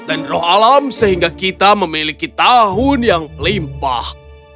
dan roh alam sehingga kita memiliki tahun yang limpah